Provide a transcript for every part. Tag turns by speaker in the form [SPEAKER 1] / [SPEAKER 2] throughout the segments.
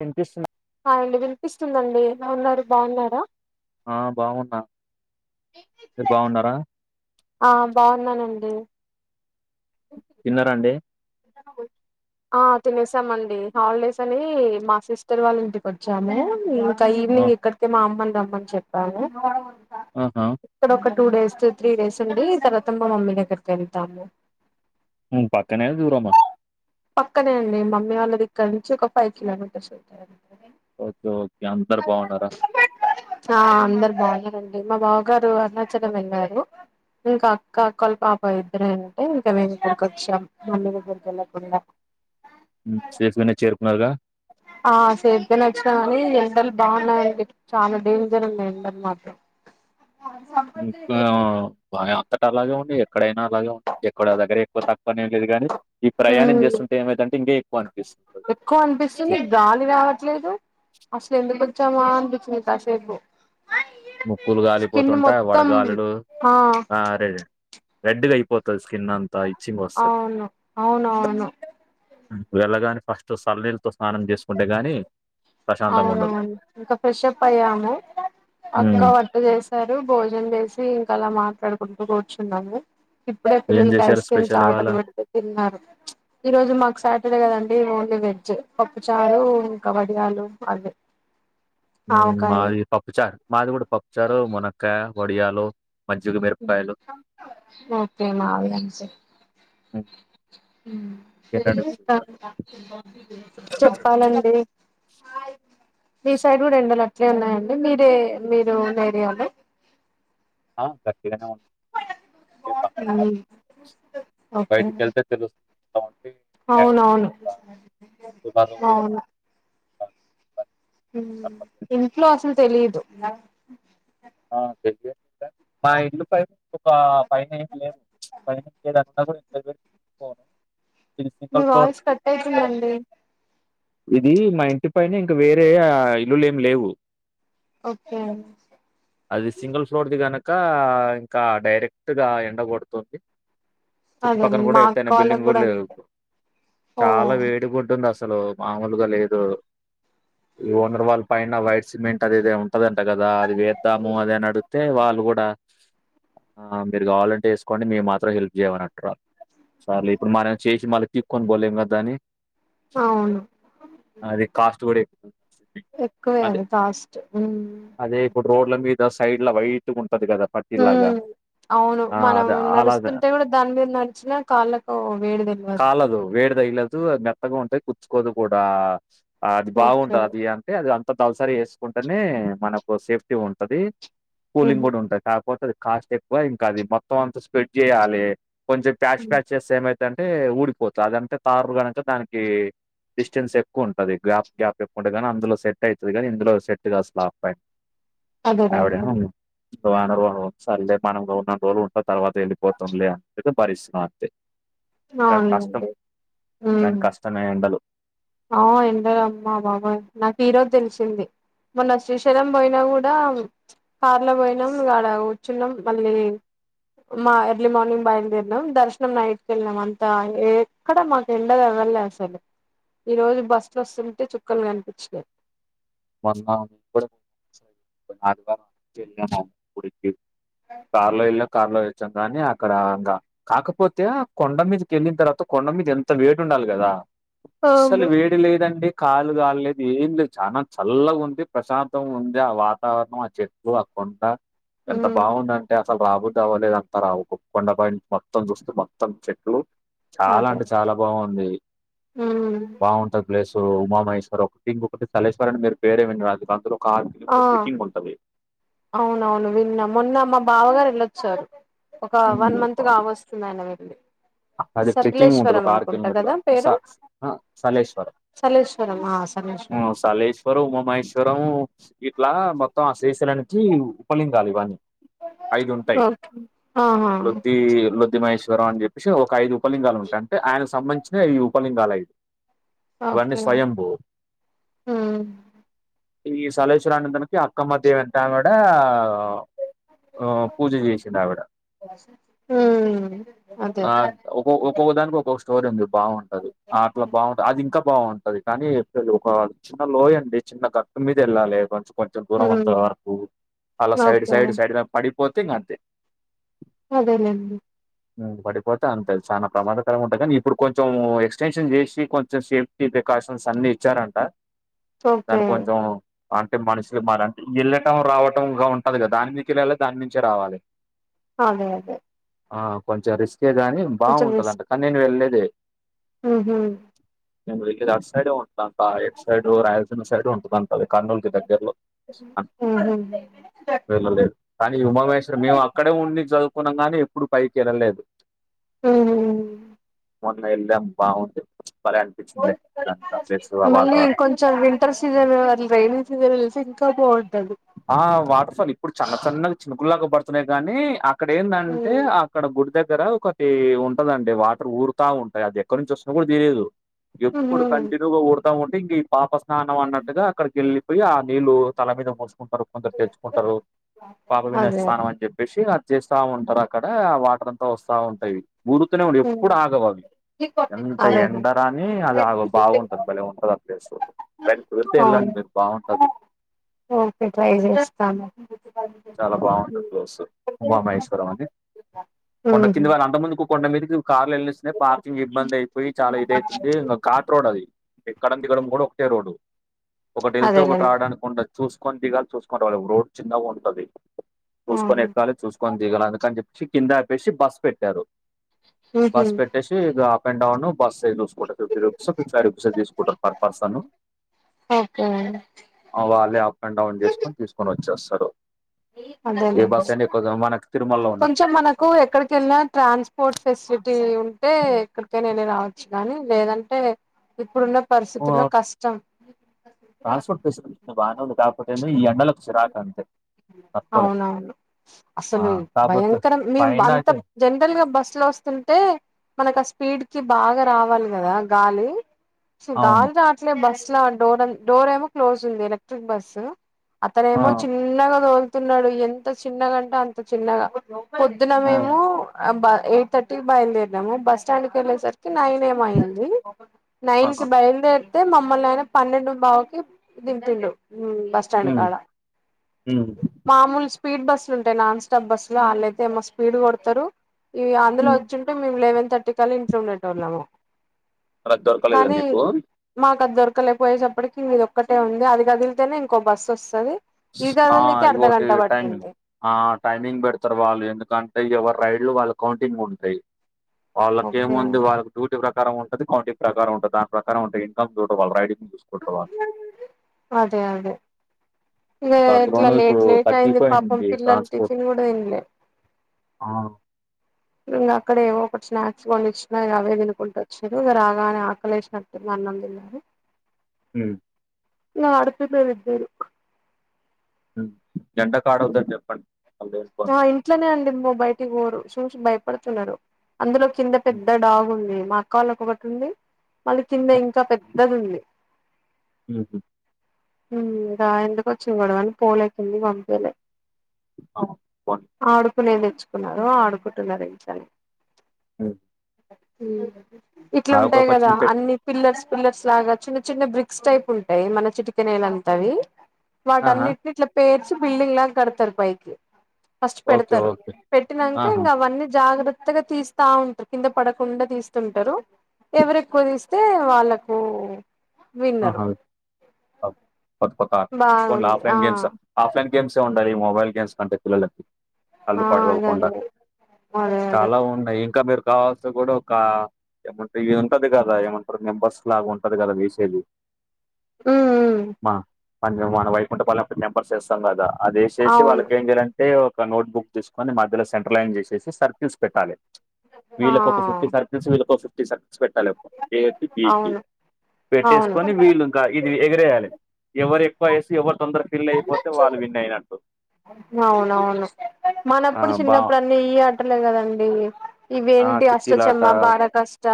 [SPEAKER 1] వినిపిస్తుందా
[SPEAKER 2] అ అండి వినిపిస్తుందండి ఎలా ఉన్నారు బాగున్నారా
[SPEAKER 1] ఆ బాగున్నాను మీరూ బాగున్నారా
[SPEAKER 2] ఆ బాగున్నానండి
[SPEAKER 1] తిన్నారా అండి
[SPEAKER 2] తిన్నామ్ ఆ తినేసామండి హాలిడేస్ అని మా సిస్టర్ వాళ్ళ ఇంటికి వచ్చాము ఇంకా
[SPEAKER 1] ఆ
[SPEAKER 2] ఈవినింగ్ ఇక్కడిక మా అమ్మని రమ్మని చెప్పాను
[SPEAKER 1] ఆహా
[SPEAKER 2] ఇక్కడ ఒక టూ డేస్ త్రీ డేస్ ఉండి తర్వాత మా మమ్మీ దగ్గరికి వెళ్తాము
[SPEAKER 1] పక్కనే దూరమా
[SPEAKER 2] పక్కనే అండి మమ్మీ వాళ్ళ దగ్గర నుంచి ఒక ఫైవ్ కిలోమీటర్స్ ఉంటాయండి
[SPEAKER 1] ఓకే ఓకే అందరు బాగున్నారా
[SPEAKER 2] ఆ అందరు బాగున్నారండి మా బావగారు అరుణాచలం వెళ్ళారు ఇంకా అక్క అక్కోళ్ల పాప ఇద్దరే ఉంటే ఇంకా మేము ఇక్కడికి వచ్చాం మమ్మీ దగ్గరికి వెళ్ళకుండా
[SPEAKER 1] సేఫ్ గానే చేరుకున్నారుగా
[SPEAKER 2] ఆ సేఫ్గానే వచ్చాను కాని ఎండలు బాగున్నాయండి చాలా డేంజర్ ఉంది ఎండలు మాత్రం
[SPEAKER 1] ఊ ఇంకా బా అంతట అలాగే ఉన్నాయి ఎక్కడైనా అలాగే ఉన్నాయి ఎక్కడ దగర ఎక్కువ తక్కువని ఏం లేదు కాని ఈ ప్రయాణం
[SPEAKER 2] ఉమ్
[SPEAKER 1] చేస్తుంటే ఏమైదంటే ఇంక ఎక్కువ అనిపిస్తుంటుంది
[SPEAKER 2] ఎక్కువ అనిపిస్తుంది గాలి రావట్లేదు అసలు ఎందు కోచ్చామా అనిపిస్తుంది కాసేపు
[SPEAKER 1] ముక్కులు
[SPEAKER 2] స్కిన్
[SPEAKER 1] గాలిపోతుంటాయి
[SPEAKER 2] మొత్తం
[SPEAKER 1] వడగాలులు ఆ రే రే రెడ్గా అయిపోతుంది స్కిన్ అంతా ఇచ్చింగ్ వస్తుంది
[SPEAKER 2] అవును అవునవును
[SPEAKER 1] వెళ్ళగాని ఫస్ట్ సల్లనీళ్ళతో స్నానం చేసుకుంటే గాని ప్రశాంతంగా ఉండదు
[SPEAKER 2] అవునవును ఇంకా ఫ్రెష్ప్ అయ్యాము
[SPEAKER 1] ఉమ్,
[SPEAKER 2] అక్క చేశారు భోజనం చేసి ఇంకా అలా మాట్లాడుకుంటూ కూర్చున్నాము ఇప్పుడే
[SPEAKER 1] ఏం
[SPEAKER 2] పిల్లలకి
[SPEAKER 1] చేశారు
[SPEAKER 2] ఐస్ క్రీమ్స్
[SPEAKER 1] స్పెషల్ ఇవాళ
[SPEAKER 2] ఆర్డర్ పెడితే తిన్నారు ఈ రోజు మాకు సాటర్డే కదండి ఓన్లీ వెజ్ పప్పు చారూ ఇంకా వడియాలు అదే
[SPEAKER 1] మాది పప్పుచారు మాది కూడా పప్పుచారు మునక్కయ వడియాలు మజ్జిగ మిరపకాయలు.
[SPEAKER 2] ఓకే మాది కూడా సేమ్
[SPEAKER 1] హ్మ్. తినండి
[SPEAKER 2] ఆ
[SPEAKER 1] విశేషాలు.
[SPEAKER 2] చెప్పాలండి మీ సైడ్ గూడా ఎండాల అట్లే ఉన్నాయండి మీరే మీరు ఉన్న ఏరియా అండి
[SPEAKER 1] ఆ గట్టిగనే ఉన్నాయి ఏం తక్కువ
[SPEAKER 2] ఉమ్
[SPEAKER 1] లేదు బైటి
[SPEAKER 2] ఓకే
[SPEAKER 1] కేల్తే ఎండలు
[SPEAKER 2] అవునవును,
[SPEAKER 1] తులాలో
[SPEAKER 2] అవును
[SPEAKER 1] వేసుంటారు.
[SPEAKER 2] ఇంట్లో అసలు తెలీదు.
[SPEAKER 1] [inaudible] మా ఇండ్లు పైపు ఒక ఫైవ్ నైన్ ఇంచ్లు అట్లాగే ఉండని [inaudible]
[SPEAKER 2] మీ వాయిస్ కట్ అయితుందండి.
[SPEAKER 1] ఇది మా ఇంటి పైనే ఇంక వేరే ఆ ఇల్లులు ఏమి లేవు.
[SPEAKER 2] ఓకే.
[SPEAKER 1] అది సింగిల్ ఫ్లోర్ది గనక ఇంకా డైరెక్ట్ గా ఎండ కొడుతుంది.
[SPEAKER 2] అదే
[SPEAKER 1] చుట్టుపక్కన కూడా
[SPEAKER 2] మా అక్క
[SPEAKER 1] ఎత్తైన బిల్డింగ్
[SPEAKER 2] వాళ్ళకి
[SPEAKER 1] గూడ
[SPEAKER 2] కూడా
[SPEAKER 1] లేదు
[SPEAKER 2] అంతే ఓ
[SPEAKER 1] చాలా వేడిగా ఉంటుంది అసలు. అసలు మామూలుగా లేదు. ఓనర్ వాళ్ళ పైన వైట్ సిమెంట్ అది ఏదో ఉంటు దంట కదా అది వేద్దాము అదే అడు గీతే వాళ్ళు కూడా ఆ మీరు కావాలంటే వేసుకొండి మేము హెల్ప్ చేయమని అంటున్నారు. సరే ఇప్పుడు మనం చేసి మళ్ళీ పీక్కోని పోలేం కదా దాన్ని
[SPEAKER 2] అవును.
[SPEAKER 1] అది కాస్ట్ గూడా ఎక్కువ.
[SPEAKER 2] ఎక్కువే
[SPEAKER 1] అదే
[SPEAKER 2] అది కాస్ట్. మ్
[SPEAKER 1] అదే ఇప్పుడు రోడ్ల మీద సైడ్ల వైట్ ఉంటాది కదా పట్టిలాగ
[SPEAKER 2] ఉమ్. అవును మనం నడుస్తుంటే కూడా దాని మీద నడిచినా కాళ్ళకు వేడి తెల్వదు.
[SPEAKER 1] కాలదు వేడి తగిలదు మెత్తగా ఉంటాయి. కుచ్చుకోదు కూడా అది
[SPEAKER 2] ఓకే
[SPEAKER 1] బాగుంటంది అది అది అంత దలసరి వేసుకుంటేనే మనకు సేఫ్టీ ఉంటది. కూలింగ్
[SPEAKER 2] ఉహు.
[SPEAKER 1] కూడా ఉంటది. కా పోతాది. కాస్ట్ ఎక్కువ ఇంకాది మొత్తం అంత స్ప్రెడ్ చేయాలి కొంచెం ప్యాచ్
[SPEAKER 2] ఉమ్.
[SPEAKER 1] ప్యాచ్ చే చేస్తే ఏమైతాది అంటే ఊడిపోతాది. అదంటే తారు కనుక దానికి డిస్టెన్స్ ఎక్కువు ఉంటాది.. గ్యాప్ గ్యాప్ ఎక్కువగానీ అందులో సెట్ ఐతాది. కానీ ఇందులో సెట్గాదు అసలు స్లాబ్ పైన
[SPEAKER 2] అదేనండి
[SPEAKER 1] అవిడేమో వారం వారం వస్తుంటే మనం ఉన్నన్ని రోజులు ఉంటాది. తర్వాత వెళ్ళిపోతుందిలే అనుకుంటా భరిస్తాంది. కానీ కష్టం.
[SPEAKER 2] అవునండి
[SPEAKER 1] కానీ
[SPEAKER 2] ఉమ్
[SPEAKER 1] కష్టమే ఎండలు.
[SPEAKER 2] ఆ ఎండ అమ్మా బాబాయ్ నాకు ఈరోజు తెలిసింది. మొన్న శ్రీశైలం పోయినా గూడా కార్ లో పోయినాం ఆడ కూర్చున్నాం మళ్ళీ మా ఎర్లీ మార్నింగ్ బయలుదేరినాం దర్శనం నైట్కి వెళ్లినాం అంతా ఏ అక్కడ మాకు ఎండ తగల్లే అసలు. ఈ రోజు బస్సులో వస్తుంటే చుక్కలు కనిపించినాయి.
[SPEAKER 1] వస్తావు [inaudible] కార్లో వెళ్ళి కార్లో వచ్చాం కానీ అక్కడా ఇంకా కాకపోతే ఆ కొండ మీదకేళ్ళిన తర్వాత కొండ మీద ఎంత వేడి ఉండాలి కదా? అస్సలు
[SPEAKER 2] అవును
[SPEAKER 1] వేడి లేదండి, కాళ్లు కాల్లేదు. ఏం లేదు చానా చల్లగా ఉంది ప్రశాంతంగా ఉంది ఆ వాతావరణం ఆచెట్లు ఆ కొండ ఎంత
[SPEAKER 2] ఉమ్
[SPEAKER 1] బావుందంటే అసలు రాబుద్ది అవ్వలే అంతా రావు. ఒక కొండపై మొత్తం చూస్తే మొత్తం చెట్లు. చాలా
[SPEAKER 2] అదే
[SPEAKER 1] అంటే చాలా బావుంది.
[SPEAKER 2] ఉమ్
[SPEAKER 1] బావుంటాది. ప్లేస్లు ఉమామహేశ్వర్ ఒకటి ఇంకొకటి సలేశ్వర్ అని మీరు పేరే అందులో కారు
[SPEAKER 2] ఆ
[SPEAKER 1] ట్రేకింగ్ ఉంటాది.
[SPEAKER 2] అవునవును విన్నా, మొన్న మా బావగారు వెళ్ళొచ్చారు. ఒక వన్
[SPEAKER 1] ఉమ్,
[SPEAKER 2] మంత్ కావోస్తుంది ఆయన వెళ్ళి.
[SPEAKER 1] అది ట్రెకింగ్ ఉంటది
[SPEAKER 2] సకలేశ్వరం
[SPEAKER 1] ఒక ఆరు
[SPEAKER 2] అనుకుంటా
[SPEAKER 1] కిలోమీటర్
[SPEAKER 2] కదా
[SPEAKER 1] స సలేేశ్వర [unintelligible]
[SPEAKER 2] సలేేశ్వరమ సలేేశ్వరం
[SPEAKER 1] [unintelligible] మహేశ్వరం ఇట్ల మొత్తం ఆ శ్రీ [unintelligible] ఉపలింగాలు ఇవన్నీ ఐదు ఉంటాయ్
[SPEAKER 2] ఉ
[SPEAKER 1] [unintelligible] మహేశ్వరం అని చెప్పేసి ఒక ఐదు ఉపలింగాలు ఉంటాయి అంటే ఆయన సంబంధి [unintelligible] ఈ ఉపలింగాలు [unintelligible] ఇవన్నీ
[SPEAKER 2] ఓకే
[SPEAKER 1] స్వయంభో
[SPEAKER 2] ఉమ్
[SPEAKER 1] ఈ సలేేశ్వరనందానికి అక్కమ్మ [unintelligible] ఆ పూజ చేసింది ఆవిడ
[SPEAKER 2] హు
[SPEAKER 1] ఆ ఒకో ఒక్కొ దానికి ఒక్కొక్క స్టోరీ ఉంది బాగుంటది అట్ల బాగుంటంది అది ఇంకా బాగుంటది కానీ ఒక చిన్న లోయండి చిన్న గట్టు మీద ఎళ్ళాలి కొంచెం కొంచెం దూరం అంత
[SPEAKER 2] ఉమ్
[SPEAKER 1] వరకు అల సైడ్
[SPEAKER 2] ఓకే
[SPEAKER 1] సైడ్ సైడ్ద పడిపోతే ఇంగ అంతే
[SPEAKER 2] అదేలేండి
[SPEAKER 1] పడిపోతే అంతే చాల ప్రమాదకరంగా ఉంటుంది కానీ ఇప్పుడు కొంచెం ఎక్స్టెన్షన్ చేసి కొంచెం సే ప్రికాషన్స్ అన్ని ఇచ్చారంట
[SPEAKER 2] ఓకే
[SPEAKER 1] దాన్ని కొంచెం అంటే మనుషులు మరి అంటే వెళ్ళటం రావటం ఉంటుంది కదా దాని నునికి వెళ్ళలి దాని నుంచే రావాలి
[SPEAKER 2] అదే అదే
[SPEAKER 1] ఆ కొంచెం రిస్కే గాని బాగుంటది అంట కానీ నేను వెళ్లేదే
[SPEAKER 2] ఉహ
[SPEAKER 1] [unintelligible] ఇది అట్ సైడ్ ఉంట అంతా ఎడ్ సైడు రాయలసీమ సైడ్ ఉంటుంది అంత అ కర్నూల్కి దగ్గర్లో
[SPEAKER 2] ఉహు
[SPEAKER 1] [unintelligible] కానీ ఉమామేశ్వర్ మేము అక్కడే ఉండి చదువుకున్న గానీ ఎప్పుడు పైకి వెళ్ళలేదు
[SPEAKER 2] ఉ
[SPEAKER 1] మొన్న వెళ్ళాం బలే అనిపించింది [unintelligible]
[SPEAKER 2] మళ్ళీ
[SPEAKER 1] వాతావరణం
[SPEAKER 2] [unintelligible] వింటర్ సీజన్ వా రైనీ సీజన్ [unintelligible] ఇంకా బాగుంటది
[SPEAKER 1] ఆ వాటర్ఫాల్ ఇప్పుడు చిన్నచన్న చిన్నకుల్లాగ పడుతున్నాయి కాని అక్కడ ఎందంటే
[SPEAKER 2] ఉమ్,
[SPEAKER 1] అక్కడ గుడి దగ్గర ఒక ఉంటదండి వాటర్ ఊరుత ఉంటాయి అది ఎక్కడ నుంచి వస్తుందో కూడ తెలియదు ఎప్పుడు
[SPEAKER 2] ఉహు
[SPEAKER 1] కంటిన్యూగా ఊడతా ఉంటే ఇంక ఈ పాప స్నానం అన్నట్టుగా అక్కడికెళ్ళి పోయి ఆ నీళ్ళలు తల మీద మూసుకుంటారు కొందరు తెచ్చుకుంటారు పాప [unintelligible]
[SPEAKER 2] అదే
[SPEAKER 1] స్థానం
[SPEAKER 2] అదే
[SPEAKER 1] అని చెప్ సి అది చేస్త ఉంటారు అక్కడ వాటర్ అంత వస్తా ఉంటాయి ఊరుతూనే ఉ
[SPEAKER 2] ఉమ్,
[SPEAKER 1] ఎప్పుడు ఆగవవి ఎంత
[SPEAKER 2] అదే అదే.
[SPEAKER 1] ఎండరాని [unintelligible] బాగుంటది భలే ఉంటది ఆ ప్లేస్ ఎప్పుడైన కుదిరితే వెళ్ళండి మీరు బాగుంటది
[SPEAKER 2] ఒకే ట్రై చేస్తాను
[SPEAKER 1] చాల బాగుంటది ప్లేస్ ఉమామహేశ్వరం అని కొండ
[SPEAKER 2] ఉహు
[SPEAKER 1] కింది వాళ్ళ అంత ముందు కొండ మీద కార్లు వెళ్స్తున్నాయి పార్కింగ్ ఇబ్బంది అయిపోయి చాల ఇది అయితుంది కాట్ రోడ్ అది ఎక్కడం దిగడం ఒకటే రోడ్ ఒకటి వెళ్తే ఒకటి
[SPEAKER 2] అదేలేండి
[SPEAKER 1] రావడానికి చూసుకొని దిగాలి చూసుకోని [unintelligible] వాళ్ళ రోడ్ చిన్నగా ఉంటది
[SPEAKER 2] అవును
[SPEAKER 1] చూకొని ఎక్కలి చూసు [unintelligible] అందుకని చెప్పసి కింద ఆపేసి బస్ పెట్టారు
[SPEAKER 2] ఉహు
[SPEAKER 1] బస్ పెట్ ఇది up and down [unintelligible] fifty రూపెసో [unintelligible] per person
[SPEAKER 2] okay అండి
[SPEAKER 1] వాళ్ళే అప్ అండ్ డౌన్ చేసుకొని తీసుకొని వచ్చేస్తారు
[SPEAKER 2] అదే
[SPEAKER 1] ఏ బస్ అయినా
[SPEAKER 2] లెండి
[SPEAKER 1] ఎక్కువ మనకి తిరుమలలో ఉన్నట్టు
[SPEAKER 2] కొంచెం మన హో ఎక్కడికిెళ్ళినా ట్రాన్స్పోర్ట్ ఫెసిలిటీ ఉంటే ఎక్కడికైన నే రావచ్చు గానీ లేదంటే ఇప్పుడున్న పరిస్థితుల్లో కష్టం
[SPEAKER 1] ట్రాన్స్పోర్ట్ ఫెసిలిటీ బాగా ఉంది కాకపోతే ఈ ఎండలకు చిరాకు అంతే తట్టుకోలేం
[SPEAKER 2] అవునవును
[SPEAKER 1] ఆ
[SPEAKER 2] అసలు
[SPEAKER 1] కాకపోతే
[SPEAKER 2] భయంకరం మేము
[SPEAKER 1] పైన
[SPEAKER 2] అంత
[SPEAKER 1] అయితే
[SPEAKER 2] జనరల్ గా బస్సు లో వస్తుంటే మనకు ఆ స్పీడ్ కి బాగా రావాలి కదా గాలి కొంచెం
[SPEAKER 1] అవును
[SPEAKER 2] గాలి రాట్లే బస్సు డోర్ డోర్ ఏమో క్లోజ్ ఉంది ఎలక్ట్రిక్ బస్సు అతనే
[SPEAKER 1] ఆ
[SPEAKER 2] ఏమో చిన్నగా దోలుతున్నాడు ఎంత చిన్నగాంటే అంత చిన్నగా పొద్దున
[SPEAKER 1] ఆ
[SPEAKER 2] మేము అబ ఎయిట్ థర్టీ బయలుదేరినాము బస్ స్టాండ్కి వెళ్ళేసరికి నైన్ ఏం అయ్యింది నైన్ కి
[SPEAKER 1] ఆహా
[SPEAKER 2] బయలుదేరితే మమ్మల్ని ఆయన పన్నెండు బావు కి దింపిండు హ్మ్మ్ బస్
[SPEAKER 1] హు
[SPEAKER 2] స్టాండ్ కాడ
[SPEAKER 1] హ్మ్మ్
[SPEAKER 2] మామూలు స్పీడ్ బస్సులు ఉంటాయి నాన్ స్టాప్ బస్సులు వాళ్ళ అయితే ఏమో స్పీడ్ కొడతారు ఇగ అందులో
[SPEAKER 1] ఉమ్.
[SPEAKER 2] వచ్చింటే మేము లెవెన్ థర్టీ కల్లా ఇంట్లోఉండేటోళ్లము
[SPEAKER 1] అలా దొరకలేదా మీకు
[SPEAKER 2] మాకు అది దొరకలేకపోయేసప్పటికి ఇంక ఇది ఒక్కటే ఉంది అది కదిలితేనే ఇంకో బస్సు వస్తది ఇది
[SPEAKER 1] ఆ
[SPEAKER 2] కదలనీకి
[SPEAKER 1] ఇంగోటి
[SPEAKER 2] అర్ధగంట
[SPEAKER 1] టైమ్
[SPEAKER 2] పట్టింది
[SPEAKER 1] ఆ టైమింగ్ పెడతారు వాళ్ళు ఎందుకంటే ఎవరు రైడ్ లో వాళ్ళు కౌంటింగ్ ఉంటాయి
[SPEAKER 2] ఓకే
[SPEAKER 1] వాళ్ళకేముంది వాళ్ళకి డ్యూటీ ప్రకారం ఉంటది కౌంటింగ్ ప్రకారం ఉంటుంది దాని ప్రకారం ఉంటే ఇన్కమ్ చూళ రైడింగ్ చసుకుంటారు వాళు
[SPEAKER 2] అదే అదే ఇట్లా
[SPEAKER 1] అందులోనూ ఇప్పుడు
[SPEAKER 2] లేట్ లేట్ అయింది పాపం
[SPEAKER 1] తగ్గిపోయింది
[SPEAKER 2] పిల్లలు
[SPEAKER 1] ట్రాన్స్పోర్ట్
[SPEAKER 2] టిఫిన్ కూడా తనలే
[SPEAKER 1] ఆ
[SPEAKER 2] ఇంకా అక్కడ ఏవో ఒకటి స్నాక్స్ కొన్ని ఇచ్చినా ఇగ అవే తినుకుంటు వచ్చారు ఇక రాగానే ఆకలేసినట్టుంది అన్నం తిన్నారు
[SPEAKER 1] ఉమ్
[SPEAKER 2] న ఆడుతున్నారు ఇద్దరూ
[SPEAKER 1] ఎండకాడొద్దని చెప్పండి [inaudible]
[SPEAKER 2] ఇట్లనే అండి బయటికి పోరు చూసి భయపడుతున్నారు అందులో కింద
[SPEAKER 1] ఉమ్,
[SPEAKER 2] పెద్ద డాగ్ ఉంది మా క్కాల కొకటి ఉంది మళ్ళీ కింద ఇంకా పెద్దది ఉంది
[SPEAKER 1] ఉహూ
[SPEAKER 2] హ్మ్మ్ రా ఎందుకొచ్చిన గొడవని పోలేకిందికి పంపిలే
[SPEAKER 1] ఆ
[SPEAKER 2] ఆడుకునేది తెచ్చుకున్నారు ఆడుకుంటున్నారు ఇంట్లోనే
[SPEAKER 1] ఊ
[SPEAKER 2] ఇట్లా ఉంటాయి కదా
[SPEAKER 1] పెట్
[SPEAKER 2] అన్ని పిల్లర్స్ పిల్లర్స్ లాగా చిన్న చిన్న బ్రిక్స్ టైప్ ఉంటాయి మన చిటికనేల్లంతవి
[SPEAKER 1] ఆహా
[SPEAKER 2] వాటిన్నింటిని ఇట్లా పేర్చి బిల్డింగ్ లా కడతారు పైకి ఫస్ట్
[SPEAKER 1] ఓకే
[SPEAKER 2] పెడతారు
[SPEAKER 1] ఓకే
[SPEAKER 2] పెట్టినాక
[SPEAKER 1] ఆహా
[SPEAKER 2] ఇంకా అవన్నీ జాగ్రత్త త్తగా తీస్తా ఉంటారు కింద పడకుండా తీస్తుంటారు ఎవరు ఎక్కువ తీస్తే వాళ్ళకు విన్నరు
[SPEAKER 1] ఆహా పక్ పక్క ఫోన్ లో
[SPEAKER 2] బాగుంది ఆ
[SPEAKER 1] ఆఫ్లైన్ గేమ్స్ ఆఫ్లైన్ గేమ్స్ ఏ ఉండాల మొబైల్ గేమ్స్ కంటె పిల్లల కి కల్లు
[SPEAKER 2] ఆ అదే
[SPEAKER 1] పాడవకుండా
[SPEAKER 2] అదే అదే అదే
[SPEAKER 1] చాలా ఉన్నాయి ఇంకా మీరు కావాల్స గుడా ఒక ఏమంటారు ఇ ఉంటది కదా ఏమంటారు మెంబర్స్ లాగా ఉంటది కదా వేసేది
[SPEAKER 2] హ్మ్
[SPEAKER 1] మా మ మన వైకుంఠ పాలెం అప్పుడు నంబర్స్ చేస్తాం కదా అదిసేసి
[SPEAKER 2] అవును
[SPEAKER 1] వాళ్ళకి ఏం చేయాలండి తే ఒక నోట్ బుక్ తీసుకొని మధ్యలో సెంట్రలైన్ జేసేసి సర్కిల్స్ పెట్టాలె
[SPEAKER 2] ఆ
[SPEAKER 1] వీళ్ళకి ఒక ఫిఫ్టీ సర్పెస్ వీళ్ళ ఒక ఫిఫ్టీ సర్సెస్ పెట్టాలి ఒక ప్లేయర్ కి ఈకి
[SPEAKER 2] అవును
[SPEAKER 1] పెట్టేసుకొని
[SPEAKER 2] అవును
[SPEAKER 1] వీళ్ళు ఇంకా ఇది ఎగరేయాలి ఎవరు ఎక్కువ ఏసి ఎవర్ తొందర ఫిల్ అయిపోతే వాళ్ళు విన్ అయినట్టు
[SPEAKER 2] అవునవును
[SPEAKER 1] ఆ
[SPEAKER 2] మనప్పుడు
[SPEAKER 1] బా
[SPEAKER 2] చిన్నప్పుడు అన్నీ ఈ ఆటలే కదండి
[SPEAKER 1] ఆ
[SPEAKER 2] ఇవేంటి అష్ట
[SPEAKER 1] చిట్టీలాట
[SPEAKER 2] చెమ్మ బార కష్ట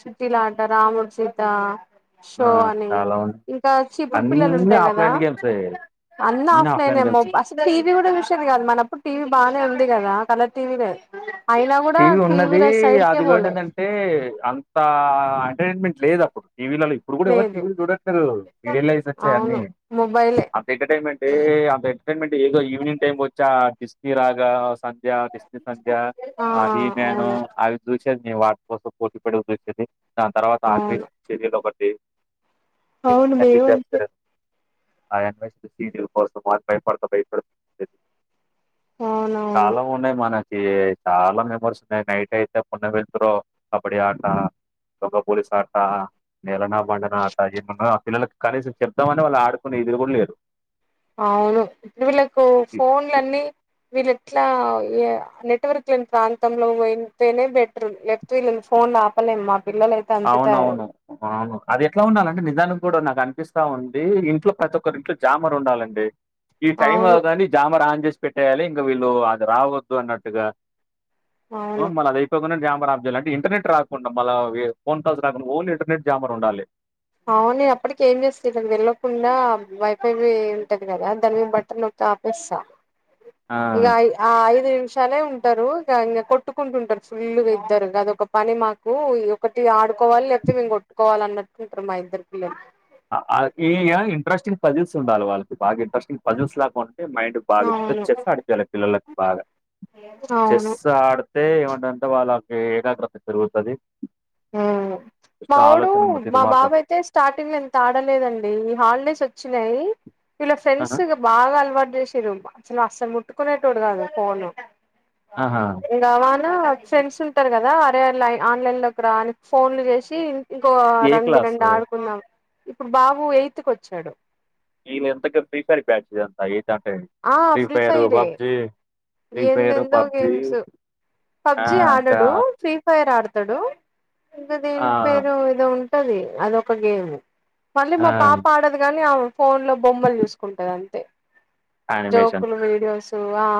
[SPEAKER 2] చుటిలా ఆట రాముడు సీత
[SPEAKER 1] ఆ
[SPEAKER 2] షో అని
[SPEAKER 1] చాలా ఉంది
[SPEAKER 2] ఇంకా చిపురు పిల్లలు
[SPEAKER 1] అన్ని
[SPEAKER 2] ఉంటాయి గదా
[SPEAKER 1] ఆఫ్లైన్ గేమ్స్
[SPEAKER 2] అన్న
[SPEAKER 1] అన్ని
[SPEAKER 2] ఆఫ్లైన్
[SPEAKER 1] గేమ్స్
[SPEAKER 2] మొబ్ అస్ టీవీ కుడా ఉశేది గాదు మనప్పుడు టీవీ బానే ఉంది గదా కలర్ టీవీ లేద్ ఆయినా గూడా టీవీ ల సైడ్క బోలే
[SPEAKER 1] అంటే అంత ఎంటర్టైన్మెంట్ లేదప్పుడు టీవీలలి ఇప్పుడు గూడా ఎవరు
[SPEAKER 2] లేదు
[SPEAKER 1] టీవీలు చూడట్లేదు రీడియలైస్ ఒచ్చాయి అన్నీ
[SPEAKER 2] అవును మొబైలే
[SPEAKER 1] ఎంటర్టైన్మెంట్ ఏ అంత ఎంటర్టైన్మెంట్ ఏదో ఈవినింగ్ టైమ్ వచ్చా ఆ డిస్నీ రాగా సంధ్య డిస్ ఇసంధ్య ఆ హి మ్యాను
[SPEAKER 2] అవును
[SPEAKER 1] అవి చూసేది వాటి కోసం పోర్టీ పె చూసేది దాని తర్వాత అగ
[SPEAKER 2] అవును
[SPEAKER 1] చర్యలు ఒకటి
[SPEAKER 2] అవును మేవంతే
[SPEAKER 1] అ అన్వేచ సీనియర్ కోసం అది భయపడత భయపడుత
[SPEAKER 2] అవునవును
[SPEAKER 1] చాలా ఉన్నాయి మనకి చాలా మెమోరీస్ ఉన్నాయి నైట్ అయితే పున్న వెతురూ కబడ్డీ ఆట ఒక పోలిసాట నెలన బండనాఅత ఎమన్నా పిల్లలకి కనీసం చెప్దామని వాళ్ళు ఆడుకునే ఇదురు గూడ్ లేరు
[SPEAKER 2] అవును ఇపుడు వీళ్ళకు ఫోన్లన్నీ వీళ్ళేట్లా ఇయ నెట్వర్క్ లేని ప్రాంతంలో పోయింతేనే బెటరు లేక్ తిల్లన్ ఫోన్ లాపలేము మా పిల్ల లయిత్
[SPEAKER 1] అవునవును ఆవును అది ఎట్లా ఉండాలండి నిజానికి గూడ నాకు అనిపిస్తా ఉంది ఇంట్లో ప్రతి ఒక్కరి ఇంట్లో జామర్ ఉండాలండి ఈ టైం
[SPEAKER 2] అవును
[SPEAKER 1] అవుతంది జామర్ ఆన్ చేసి పెట్టేయాలి ఇంకా వీళ్ళు అది రావద్దు అన్నట్టుగా అ
[SPEAKER 2] అవును
[SPEAKER 1] మళ్ళ అది అయిపోగనే జామర్ ఆప్ జేయాలా అంటే ఇంటర్నెట్ రాకుండా మళ్ళ వే ఫోన్ కల్స్ రాకు ఓన్ లో ఇంటర్ నెట్ జామర్ ఉండాలి
[SPEAKER 2] అవును నేను అప్పడికి ఏం జేస్త ఇళ్ళకి తెల్వకుండా వైఫై ఉంటది కదా దాని మీద బటన్ నొక్ తాపిస్సా
[SPEAKER 1] ఆ
[SPEAKER 2] ఇగ ఆ ఐదు నిమిషాలే ఉంటారు ఇగ ఇంక కొట్టుకుంటుంటారు ఫుల్గా ఇద్దరు అదొక పని మాక్ కు ఒకటి ఆడుకోవాలి లేకపోతే మేము కొట్టుకోవాలి అన్నట్టుకుంటారు మా ఇద్దరికి పిల్లలు
[SPEAKER 1] ఈ యా ఇంట్రెస్టింగ్ పజిల్స్ ఉండాలి వాళ్ళకి బాగా ఇంట్రెస్టింగ్ పజిల్స్ లాగా ఉంటే మైండ్ బా
[SPEAKER 2] అవును
[SPEAKER 1] చెస్ ఆడిపియల పిల్లలకి బాగా
[SPEAKER 2] అవును
[SPEAKER 1] చెస్ ఆడు తే ఏమంటంటే వాళ్ళకి ఏకాగ్రత జరుగుతది
[SPEAKER 2] హ్మ్ మా వోడు మా
[SPEAKER 1] తిదిమార్తారు
[SPEAKER 2] బాబైతే స్టార్టింగ్ ల ఇంతాడలేదండి ఈ హాలిడేస్ ఒచ్చినయి వీళ్ళ ఫ్రెండ్స్
[SPEAKER 1] ఆహా
[SPEAKER 2] ఇగ బాగలవాట్ జేషీర్రు అసలు అస్సలు ముట్టుకునేటోడు గాదు ఫోను
[SPEAKER 1] ఆహా
[SPEAKER 2] గవానా ఫ్రెండ్స్ ఉంటారు కదా అరేలై ఆన్లైన్ లోకి రాని ఫోన్లు చేసి ఇంకో
[SPEAKER 1] ఏ
[SPEAKER 2] రండి
[SPEAKER 1] క్లాస్
[SPEAKER 2] రండ్ ఆడుకున్నాం ఇప్పుడు బాబు ఎయిత్ కొచ్చాడు
[SPEAKER 1] వీళ ఎంతక ప్రీఫైర్ బ్యాచ్ ఇస్ ఎంతా ఏయితే అంటే
[SPEAKER 2] ఆ ఫ్రీ
[SPEAKER 1] ఫైర్
[SPEAKER 2] ఫైరే
[SPEAKER 1] పబ్జి ఫ్రీ ఫైర్
[SPEAKER 2] ఎందెందో
[SPEAKER 1] పబ్జి
[SPEAKER 2] గేమ్స్
[SPEAKER 1] ఆ
[SPEAKER 2] పబ్జి
[SPEAKER 1] ఇంకా
[SPEAKER 2] ఆడడు ఫీ ఫైర్ ఆడతాడు ఇంకా దీని
[SPEAKER 1] ఆ
[SPEAKER 2] పేరు ఏదో ఉంటది అదొక గేమ్ మళ్ళీ
[SPEAKER 1] ఆ
[SPEAKER 2] మా పాప ఆడదు గాని ఆ ఫోన్ లో బొమ్మలు చూసుకుంటది అంతే
[SPEAKER 1] యానిమేషన్స్
[SPEAKER 2] జోకులు వీడియోస్ ఆ